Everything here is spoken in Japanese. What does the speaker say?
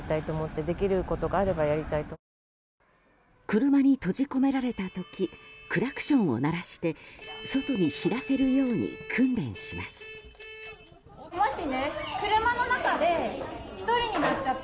車に閉じ込められた時クラクションを鳴らして外に知らせるように訓練します。